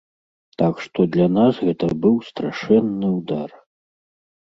Так што для нас гэта быў страшэнны ўдар.